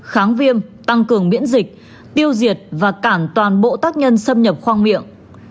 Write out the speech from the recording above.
kháng viêm tăng cường miễn dịch tiêu diệt và cản toàn bộ tác nhân xâm nhập khoang miệng